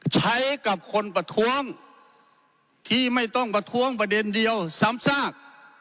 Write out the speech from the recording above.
ใช้กับคนประท้วงที่ไม่ต้องประท้วงประเด็นเดียวซ้ำซาก